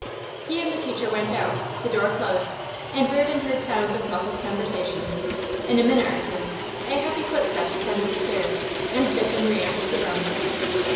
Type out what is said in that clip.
He and the teacher went out, the door closed, and Reardon heard sounds of muffled conversation. In a minute or two a heavy footstep descended the stairs, and Biffen re entered the room.